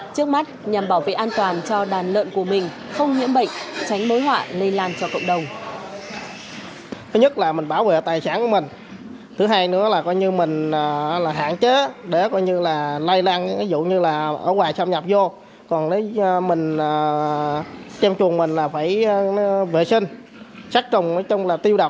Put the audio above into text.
trước mắt nhằm bảo vệ an toàn cho đàn lợn của mình không nhiễm bệnh tránh mối họa lây lan cho cộng đồng